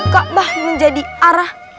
kaabah menjadi arah